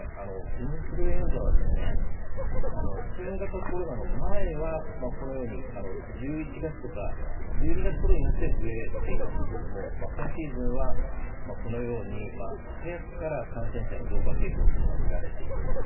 インフルエンザは新型コロナの前は、このように１１月とか１２月ごろになって増えてきていましたが今シーズンはこのように早くから感染者が増加傾向というのが見られているんです。